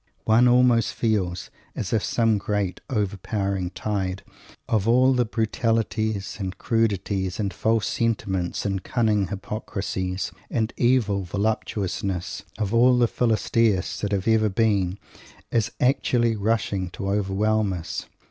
One almost feels as if some great overpowering tide of all the brutalities and crudities and false sentiments and cunning hypocrisies, and evil voluptuousness, of all the Philistias that have ever been, is actually rushing to overwhelm us!